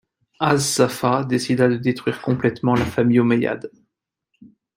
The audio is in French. As-Saffâh décida de détruire complètement la famille omeyyade.